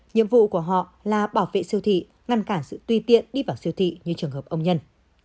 nhiệm vụ của họ là bảo vệ siêu thị ngăn cản sự tuy tiện đi vào siêu thị như trường hợp ông nhân